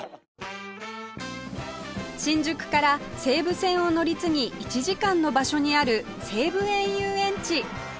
新宿から西武線を乗り継ぎ１時間の場所にある西武園ゆうえんち